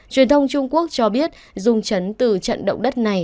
truyền thông trung quốc cho biết dùng trấn từ trận động đất này